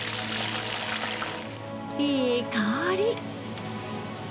いい香り。